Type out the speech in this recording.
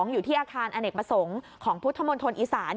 อยู่ที่อาคารอเนกประสงค์ของพุทธมณฑลอีสาน